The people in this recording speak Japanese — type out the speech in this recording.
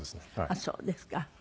あっそうですか。